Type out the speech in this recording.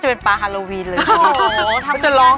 ไม่ได้ล้องเลยหน่อยเป็นขวัญได้เป็นทั้นด้าน